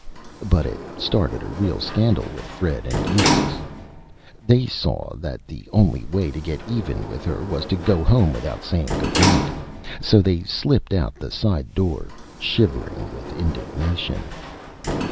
but it started a Real Scandal with Fred and Eustace. They saw that the only Way to Get Even with her was to go Home without saying "Good Night" So they slipped out the Side Door, shivering with Indignation.